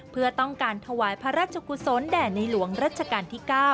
เพื่อต้องการถวายพระราชกุศลแด่ในหลวงรัชกาลที่๙